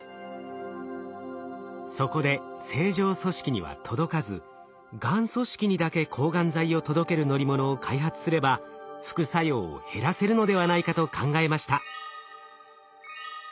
そこで正常組織には届かずがん組織にだけ抗がん剤を届ける乗り物を開発すれば副作用を減らせるのではないかと考えました。